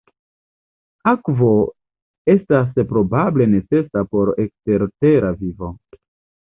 Akvo estas probable necesa por ekstertera vivo.